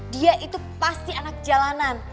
dia itu pasti anak jalanan